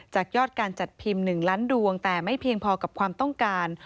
ยอดการจัดพิมพ์๑ล้านดวงแต่ไม่เพียงพอกับความต้องการ